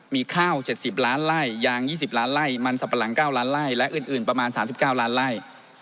มีข้าวเจ็ดสิบล้านไล่ยางยี่สิบล้านไล่มันสับปะหลังเก้าร้านไล่และอื่นอื่นประมาณสามสิบเก้าร้านไล่